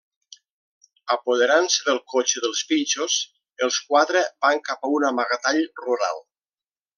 Apoderant-se del cotxe dels pinxos, els quatre van cap a un amagatall rural.